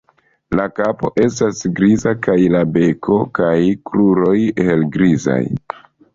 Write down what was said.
La kapo estas griza kaj la beko kaj kruroj helgrizaj.